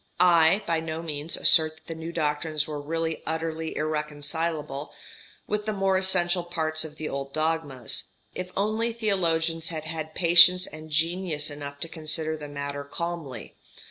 I by no means assert that the new doctrines were really utterly irreconcilable with the more essential parts of the old dogmas, if only theologians had had patience and genius enough to consider the matter calmly.